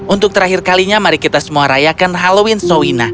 untuk terakhir kalinya mari kita semua rayakan halloween soina